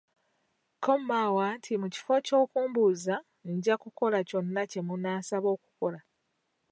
Kko Maawa nti mu kifo ky’okumbuuza njakukola kyonna kyemunansaba okukola.